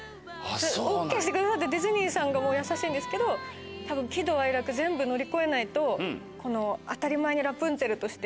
ＯＫしてくださったディズニーさんが優しいんですけど多分喜怒哀楽全部乗り越えないとこの当たり前にラプンツェルとして。